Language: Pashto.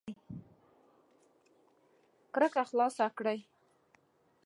کړکۍ خلاص کړئ